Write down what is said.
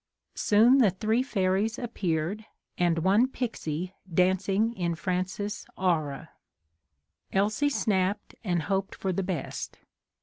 Soon the three fairies appeared, and one pixie danc ing in Frances' aura. Elsie snapped and hoped for the best.